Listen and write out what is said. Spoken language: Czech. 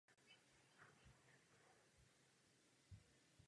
Na sousedním domě je vidět otisk klenby.